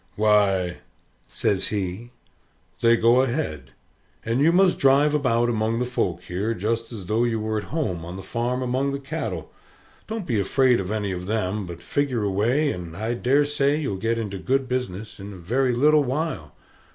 "Why," says he, "they go ahead. And you must drive about among the folks here just as though you were at home, on the farm among the cattle. Don't be afraid of any of them, but figure away, and I dare say you'll get into good business in a very little while.